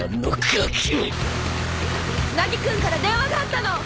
凪くんから電話があったの。